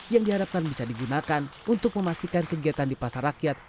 yang diharapkan bisa digunakan untuk memastikan kegiatan di pasar rakyat